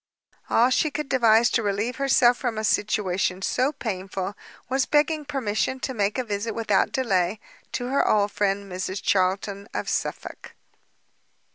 All she could devise to relieve herself from a situation so painful, was begging permission to make a visit without delay to her old friend Mrs Charlton in Suffolk.